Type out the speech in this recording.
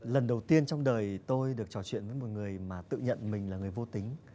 lần đầu tiên trong đời tôi được trò chuyện với một người mà tự nhận mình là người vô tính